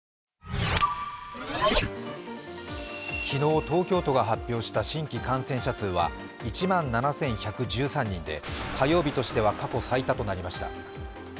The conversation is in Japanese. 昨日、東京都が発表した新規感染者数は１万７１１３人で、火曜日としては過去最多となりました。